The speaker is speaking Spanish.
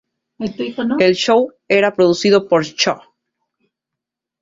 El show era producido por Chō!